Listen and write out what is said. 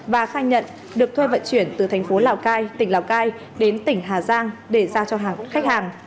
và khai nhận được thuê vận chuyển từ thành phố lào cai tỉnh lào cai đến tỉnh hà giang để giao cho hàng khách hàng